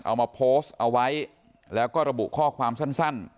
เอามาโพสต์เอาไว้แล้วก็ระบุข้อความสั้น